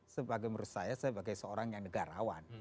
sebagai menurut saya sebagai seorang yang negarawan